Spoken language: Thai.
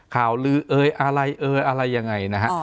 ข่าวลือเอ่ยอะไรเอ่ยอะไรยังไงนะฮะ